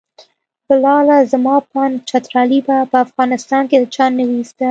بلاله زما په اند چترالي به په افغانستان کې د چا نه وي زده.